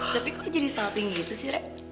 tapi kok lo jadi salting gitu sih rek